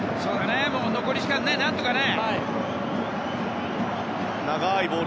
残り時間、何とかね。